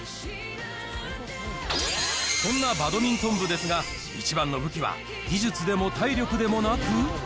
そんなバドミントン部ですが、イチバンの武器は技術でも体力でもなく。